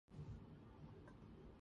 夜雨